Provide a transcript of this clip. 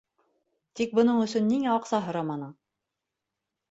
Тик бының өсөн ниңә аҡса һораманың?